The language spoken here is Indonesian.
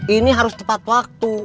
ini harus tepat waktu